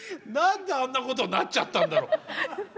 何であんなことになっちゃったんだろう。